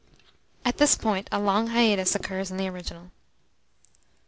[At this point a long hiatus occurs in the original.